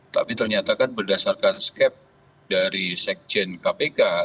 tapi ternyata kan berdasarkan skep dari sekjen kpk